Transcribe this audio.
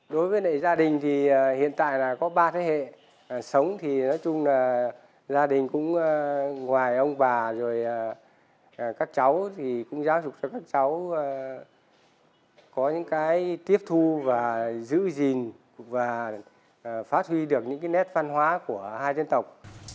đối với gia đình thì hiện tại là có ba thế hệ sống thì nói chung là gia đình cũng ngoài ông bà rồi các cháu thì cũng giáo dục cho các cháu có những cái tiếp thu và giữ gìn và phát huy được những cái nét văn hóa của hai dân tộc